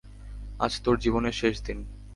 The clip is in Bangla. আজ তোর জীবনের শেষ দিন!